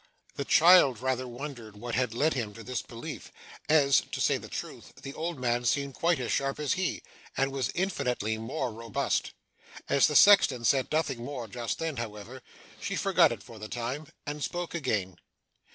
The child rather wondered what had led him to this belief, as, to say the truth, the old man seemed quite as sharp as he, and was infinitely more robust. As the sexton said nothing more just then, however, she forgot it for the time, and spoke again.